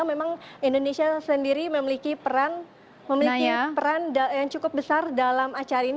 memang indonesia sendiri memiliki peran yang cukup besar dalam acara ini